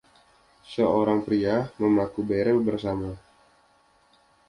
Seorang pria memaku barel bersama.